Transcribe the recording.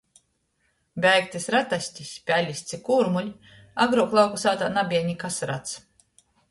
Beigtys ratestis, pelis ci kūrmuli agruok lauku sātā nabeja nikas rats.